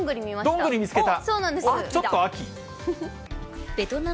どんぐり見つけた？